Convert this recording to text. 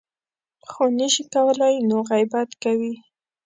خو نه شي کولی نو غیبت کوي .